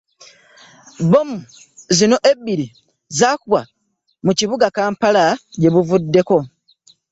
Bbomu zino ebbiri zaakubwa mu kibuga Kampala gye buvuddeko